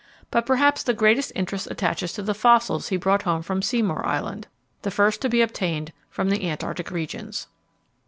But perhaps the greatest interest attaches to the fossils he brought home from Seymour Island the first to be obtained from the Antarctic regions.